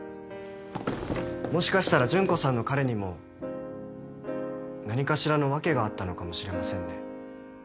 もしかしたら純子さんの彼にも何かしらの訳があったのかもしれませんね。